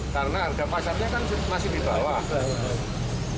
karena harga pasarnya kan masih di bawah